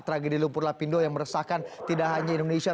tragedi lumpur lapindo yang meresahkan tidak hanya indonesia